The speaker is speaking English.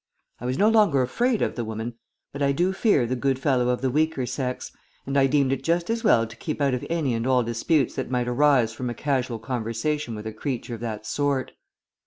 I was no longer afraid of the woman, but I do fear the good fellow of the weaker sex, and I deemed it just as well to keep out of any and all disputes that might arise from a casual conversation with a creature of that sort.